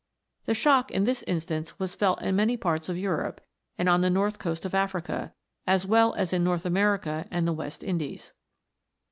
The shock in this instance was felt in many parts of Europe, and on the north coast of Africa, as well as in North America and the West Indies.